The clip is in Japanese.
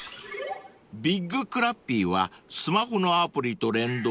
［ビッグクラッピーはスマホのアプリと連動］